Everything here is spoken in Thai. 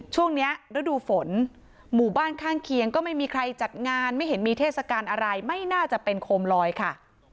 ช่วงนี้ฤดูฝนหมู่บ้านข้างเคียงก็ไม่มีใครจัดงานไม่เห็นมีเทศกาลอะไรไม่น่าจะเป็นโคมลอยค่ะ